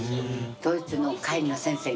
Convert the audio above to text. ドイツの帰りの先生に。